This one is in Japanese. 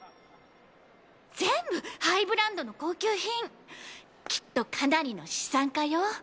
全部ハイブランドの高級品きっとかなりの資産家よ！